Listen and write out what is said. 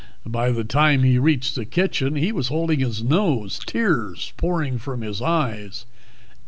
By the time he reached the kitchen he was holding his nose, tears pouring from his eyes.